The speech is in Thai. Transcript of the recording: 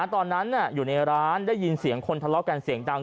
ตอนนั้นอยู่ในร้านได้ยินเสียงคนทะเลาะกันเสียงดัง